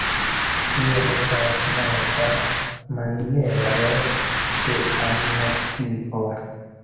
Tio estas nova maniero de animacio.